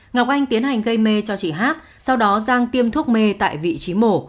ngọc anh tiến hành gây mê cho chị hát sau đó giang tiêm thuốc mê tại vị trí mổ